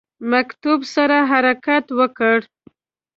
مکتوب سره حرکت وکړ.